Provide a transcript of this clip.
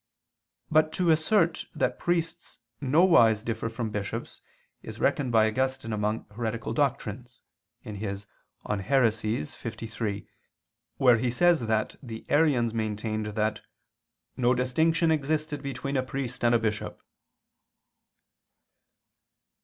But to assert that priests nowise differ from bishops is reckoned by Augustine among heretical doctrines (De Heres. liii), where he says that the Arians maintained that "no distinction existed between a priest and a bishop."